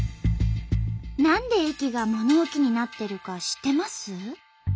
何で駅が物置になってるか知ってます？